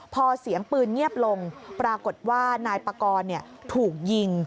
พอเสียงปืนเงียบลงปรากฏว่านายปากรถูกยิง